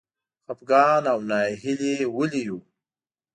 خپګان او ناهیلي ولې و؟